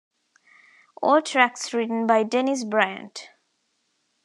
All tracks written by Dennis Bryant.